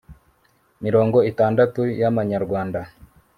mirongo itandatu y amanyarwanda